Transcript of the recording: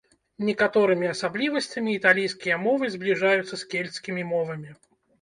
Некаторымі асаблівасцямі італійскія мовы збліжаюцца з кельцкімі мовамі.